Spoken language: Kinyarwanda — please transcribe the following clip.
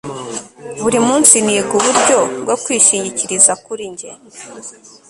buri munsi niga uburyo bwo kwishingikiriza kuri njye